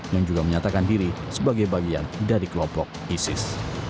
yang juga menyatakan diri sebagai bagian dari kelompok isis